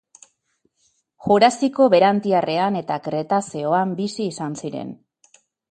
Jurasiko berantiarrean eta Kretazeoan bizi izan ziren.